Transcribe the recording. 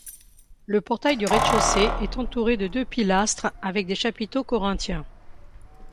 Le portail du rez-de-chaussée est entouré de deux pilastres avec des chapiteaux corinthiens.